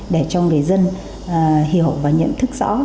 để cho người dân hiểu và nhận thức rõ